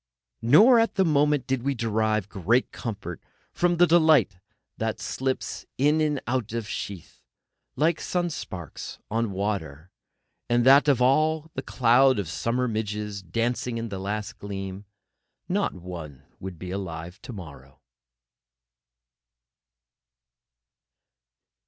Nor at the moment did we derive great comfort from the thought that life slips in and out of sheath, like sun sparks on water, and that of all the cloud of summer midges dancing in the last gleam, not one would be alive to morrow.